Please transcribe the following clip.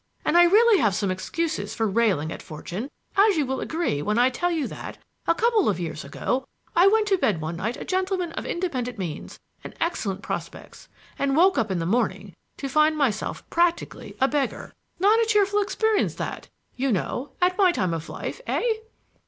And I really have some excuses for railing at Fortune, as you will agree when I tell you that, a couple of years ago, I went to bed one night a gentleman of independent means and excellent prospects and woke up in the morning to find myself practically a beggar. Not a cheerful experience that, you know, at my time of life, eh?"